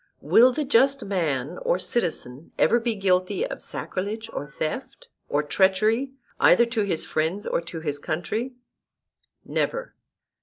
Will the just man or citizen ever be guilty of sacrilege or theft, or treachery either to his friends or to his country? Never.